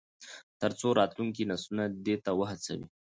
تر څو راتلونکي نسلونه دې ته وهڅوي.